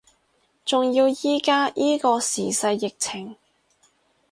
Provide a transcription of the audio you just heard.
仲要依家依個時勢疫情